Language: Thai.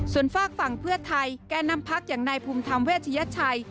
ส่วนฟากฝั่งเพื่อไทยแก่นำพักยังในพุมธรรมเวชยชัย